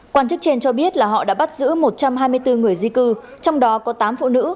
quan chức trên cho biết là họ đã bắt giữ một trăm hai mươi bốn người di cư trong đó có tám phụ nữ